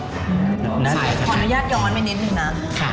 ขออนุญาตย้อนไปนิดนึงนะ